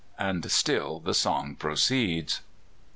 and still the song proceeds.